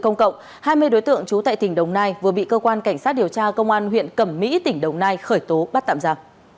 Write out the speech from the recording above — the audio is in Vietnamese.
và gây dối trật tự công cộng hai mươi đối tượng trú tại tỉnh đồng nai vừa bị cơ quan cảnh sát điều tra công an huyện cầm mỹ tỉnh đồng nai khởi tố bắt tạm ra